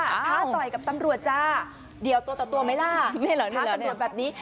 ท้าต่อยกับตำรวจจ้าเดี่ยวตัวต่อตัวไหมล่ะท้าตำรวจแบบนี้